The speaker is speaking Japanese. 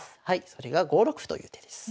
それが５六歩という手です。